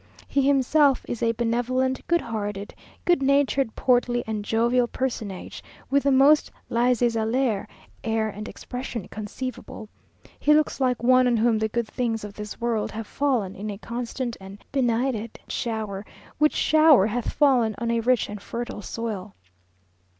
He himself is a benevolent, good hearted, good natured, portly, and jovial personage, with the most laissez aller air and expression conceivable. He looks like one on whom the good things of this world have fallen in a constant and benignant shower, which shower hath fallen on a rich and fertile soil.